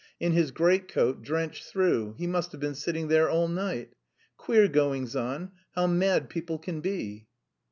in his greatcoat, drenched through, he must have been sitting there all night! Queer goings on! How mad people can be!"